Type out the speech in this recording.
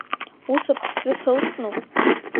Ус аԥхӡы сылҵну?